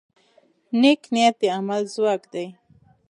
نیک نیت د عمل ځواک دی.